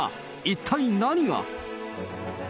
一体何が。